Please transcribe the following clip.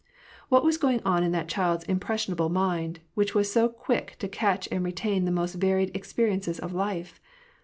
What was going on in that child's impressionable mind, which was so quick to catch and retain the most varied expe riences of life